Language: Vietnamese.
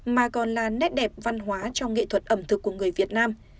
mà còn là nét đẹp văn hóa trong nghệ thuật ẩm thực của người việt nam